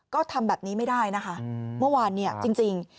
ก็ทำแบบนี้ไม่ได้นะคะเมื่อวานเนี่ยจริง